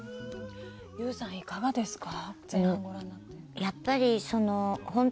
ＹＯＵさんいかがですか？